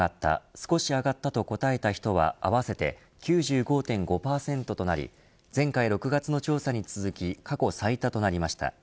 少し上がったと答えた人は合わせて９５．５％となり前回６月の調査に続き過去最多となりました。